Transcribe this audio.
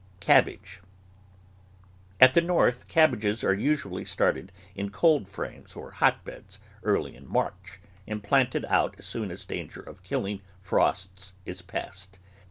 CABBAGE At the North cabbages are usually started in cold frames or hotbeds early in March and planted out as soon as danger of killing frosts is passed.